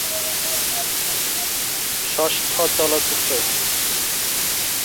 ষষ্ঠ চলচ্চিত্র এটি।